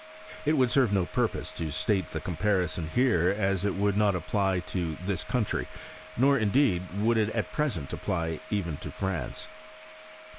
It would serve no purpose to state the comparison here, as it would not apply to this country ; nor, indeed, would it at present apply even to France.